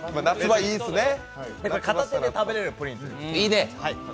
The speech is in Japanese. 片手で食べれるプリンです。